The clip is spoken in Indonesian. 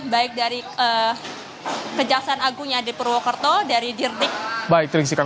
baik dari kejaksaan agung yang ada di purwokerto dari dirnik